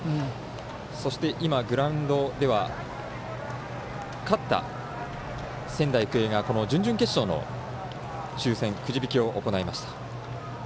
そして今、グラウンドでは勝った仙台育英が準々決勝の抽せんくじびきを行いました。